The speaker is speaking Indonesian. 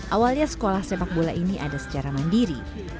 awalnya sekolah sepak bola ini ada secara mandiri